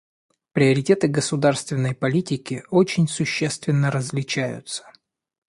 Приоритеты государственной политики очень существенно различаются.